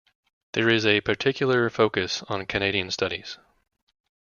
There is a particular focus on Canadian studies.